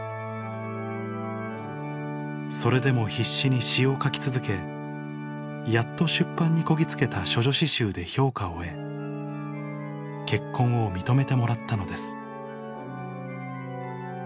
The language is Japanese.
それでも必死に詩を書き続けやっと出版にこぎ着けた処女詩集で評価を得結婚を認めてもらったのです